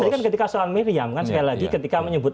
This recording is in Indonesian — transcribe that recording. jadi kan ketika soal medium kan sekali lagi ketika menyebut